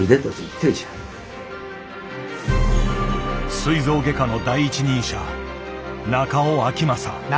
すい臓外科の第一人者中尾昭公。